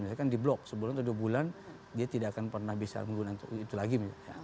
misalkan di blok sebulan atau dua bulan dia tidak akan pernah bisa menggunakan itu lagi